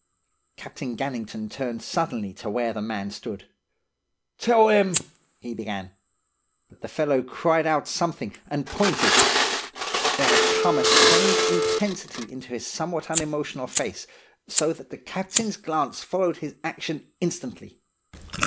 "Captain Gannington turned suddenly to where the man stood. "'Tell them —' he began. But the fellow cried out something, and pointed. There had come a strange intensity into his somewhat unemotional face, so that the captain's glance followed his action instantly.